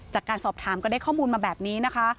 จากการสอบถามก็ได้ข้อมูลมาแบบนี้นะคะ